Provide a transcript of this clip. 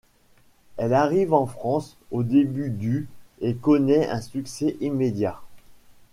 Elle arrive en France au début du et connaît un succès immédiat.